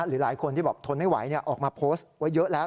หรือหลายคนที่บอกทนไม่ไหวออกมาโพสต์ไว้เยอะแล้ว